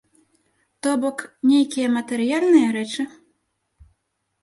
То бок, нейкія матэрыяльныя рэчы?